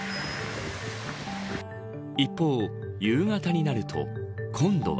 一方、夕方になると今度は。